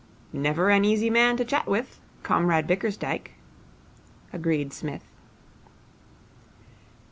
'Never an easy man to chat with, Comrade Bickersdyke,' agreed Psmith.